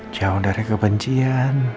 jauh dari kebencian